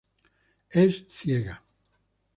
Es ciega.